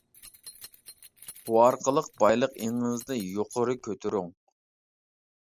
بۇ ئارقىلىق بايلىق ئېڭىڭىزنى يۇقىرى كۆتۈرۈڭ.